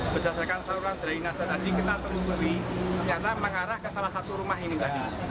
berdasarkan saluran dry nasal tadi kita terusuri nyata mengarah ke salah satu rumah ini tadi